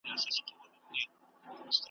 له فرعون سره وزیر نوم یې هامان وو `